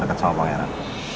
deket sama pangeran